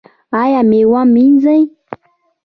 ایا میوه مینځئ؟